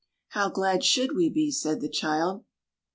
"How glad should we be!" said the child.